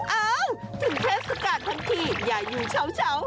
เอ้าถึงเทศกาลทั้งทีอย่าอยู่เช้า